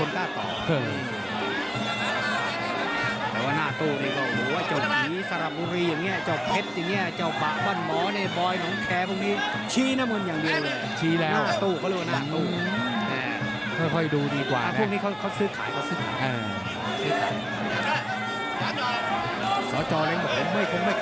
แต่ว่ามาเจอซ้ายกับเผ็ดพนมรุงจะเป็นยังไงนะครับคุณผู้ชม